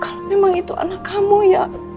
kalau memang itu anak kamu ya